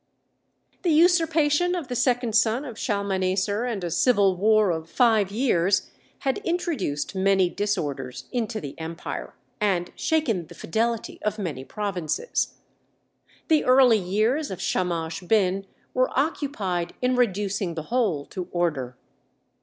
The usurpation of the second son of Shalmaneser and a civil war of five years had introduced many disorders into the empire and shaken the fidelity of many provinces. The early years of Shamash Bin were occupied in reducing the whole to order.